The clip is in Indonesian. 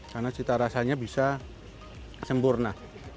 karena cita rasanya bisa sempurna